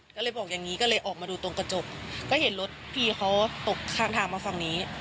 ก็เลยบอกอย่างนี้ก็เลยออกมาดูตรงกระจกก็เห็นรถพี่เขาตกข้างทางมาฝั่งนี้